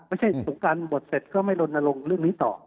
สงการบวชเสร็จก็ไม่ลนลงเรื่องนี้ต่อ